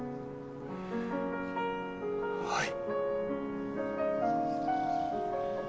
はい。